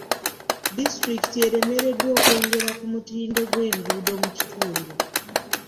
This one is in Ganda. Disitulikiti eremereddwa okwongera ku mutindo gw'enguudo mu kitundu.